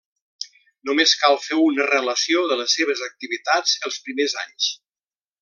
Només cal fer una relació de les seves activitats els primers anys.